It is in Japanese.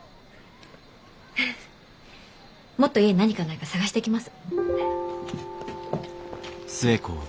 フフもっと家に何かないか探してきます。